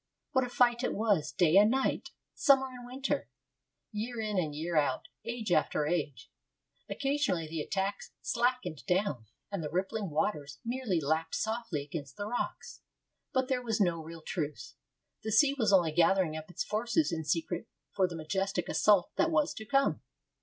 What a fight it was, day and night, summer and winter, year in and year out, age after age! Occasionally the attack slackened down, and the rippling waters merely lapped softly against the rocks. But there was no real truce. The sea was only gathering up its forces in secret for the majestic assault that was to come.